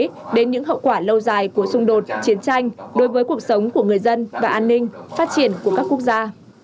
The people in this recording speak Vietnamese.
hội đồng bảo an là một trong những hậu quả lâu dài của xung đột chiến tranh đối với cuộc sống của người dân và an ninh phát triển của các quốc gia